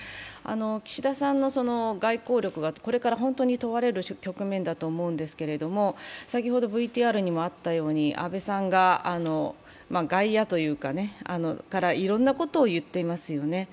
岸田さんの外交力が、これから本当に問われる局面だと思うんですけれども、先ほどＶＴＲにもあったように安倍さんが外野からいろんなことを言っていますよね。